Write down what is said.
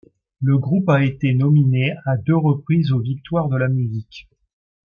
Le groupe a été nominé à deux reprises aux Victoires de la Musique.